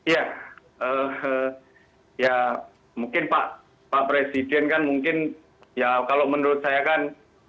ya mungkin pak presiden kan mungkin ya kalau menurut saya kan